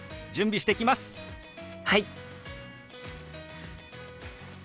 はい。